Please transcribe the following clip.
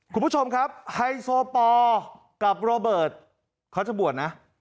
คุณผู้ชมครับไฮโซปอลกับโรเบิร์ตเขาจะบวชนะ